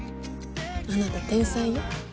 あなた天才よ